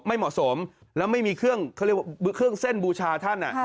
ไม่เหมาะสมแล้วไม่มีเครื่องเขาเรียกว่าเครื่องเส้นบูชาท่าน